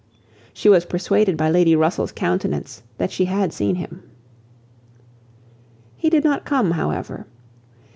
She was persuaded by Lady Russell's countenance that she had seen him. He did not come however.